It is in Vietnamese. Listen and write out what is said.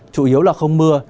chủ yếu là không mưa